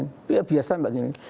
ngapain biasa pak begini